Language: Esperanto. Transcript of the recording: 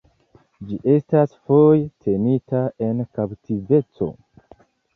Ĝi estas foje tenita en kaptiveco.